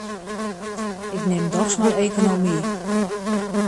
Ik nim dochs mar ekonomy.